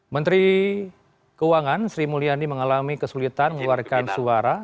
menteri keuangan sri mulyani mengalami kesulitan mengeluarkan suara